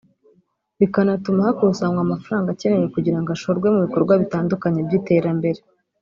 bikanatuma hakusanywa amafaranga akenewe kugira ngo ashorwe mu bikorwa bitandukanye by’iterambere